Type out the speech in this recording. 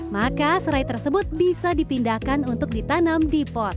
maka serai tersebut bisa dipindahkan untuk ditanam di pot